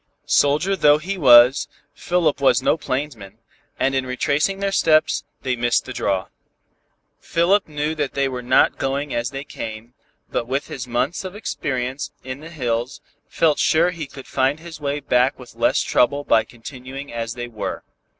Soldier though he was, Philip was no plainsman, and in retracing their steps, they missed the draw. Philip knew that they were not going as they came, but with his months of experience in the hills, felt sure he could find his way back with less trouble by continuing as they were.